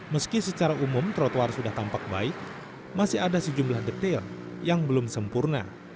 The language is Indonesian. meski secara umum trotoar sudah tampak baik masih ada sejumlah detail yang belum sempurna